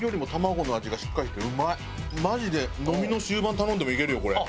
マジで飲みの終盤頼んでもいけるよこれ。